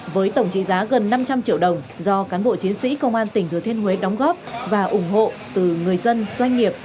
với tổng trị giá gần năm trăm linh triệu đồng do cán bộ chiến sĩ công an tỉnh thừa thiên huế đóng góp và ủng hộ từ người dân doanh nghiệp